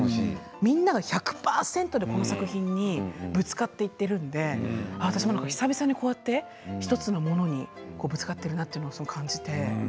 みんなが１００％で、この作品にぶつかっていっているんで私も久々にこうやって１つのものにぶつかっているなというのをすごい感じて。